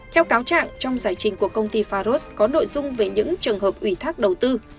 theo cáo trạng trong giải trình của công ty faros có nội dung về những trường hợp ủy thác đầu tư